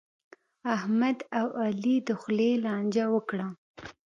احمد او علي د خولې لانجه وکړه.